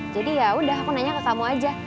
jadi yaudah aku nanya ke kamu aja